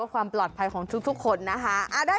ความปลอดภัยของทุกคนนะคะ